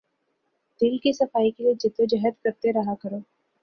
دل کی صفائی کے لیے جد و جہد کرتے رہا کرو۔